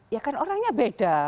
ya kan orangnya beda